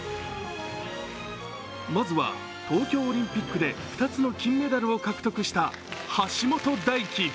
まずは、東京オリンピックで２つの金メダルを獲得した橋本大輝。